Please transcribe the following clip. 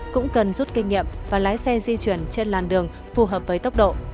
cũng cần rút kinh nghiệm và lái xe di chuyển trên làn đường phù hợp với tốc độ